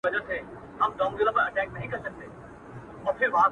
ما په لفظو کي بند پر بند ونغاړه.